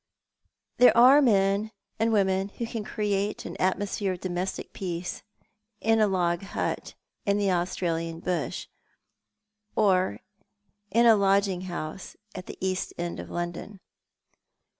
There are men and women who can create an atmosphere of domestic peace in a log hut in the Australian bush, or in a lodging house at the East End of London.